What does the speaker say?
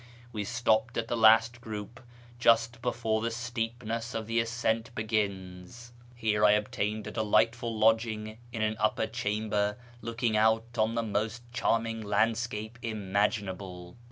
We stopped at the last group, just before the steepness of the ascent begins. FROM KIRMAN to ENGLAND 559 Here I ol^tained a delightful lodging in an upper chamber looking out on the most charming landscape imaginable.